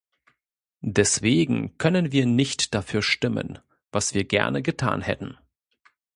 Deswegen können wir nicht dafür stimmen, was wir gerne getan hätten.